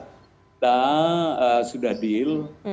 kita sudah deal